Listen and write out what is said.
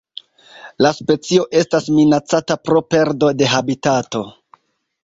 La specio estas minacata pro perdo de habitato.